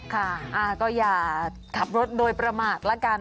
ค่ะก็อย่าขับรถโดยประมาทละกัน